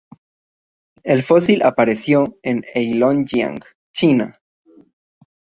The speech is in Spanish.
El fósil apareció en Heilongjiang, China.